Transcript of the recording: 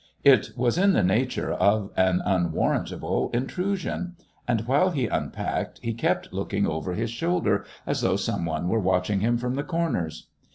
It was in the nature of an unwarrantable intrusion; and while he unpacked he kept looking over his shoulder as though some one were watching him from the corners.